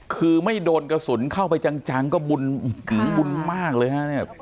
คือไม่โดนกระสุนเข้าไปจังก็บุญมากเลยฮะ